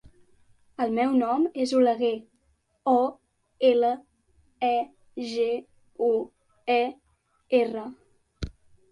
El meu nom és Oleguer: o, ela, e, ge, u, e, erra.